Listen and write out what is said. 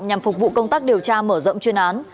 nhằm phục vụ công tác điều tra mở rộng chuyên án